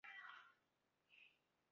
奥德雷桑。